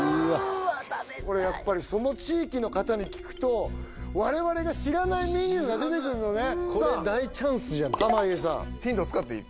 これやっぱりその地域の方に聞くと我々が知らないメニューが出てくるのねさあ濱家さんヒント使っていい？